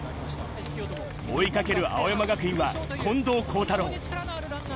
追いかける青山学院は近藤幸太郎。